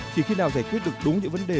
chỉ khi nào giải quyết được đúng những vấn đề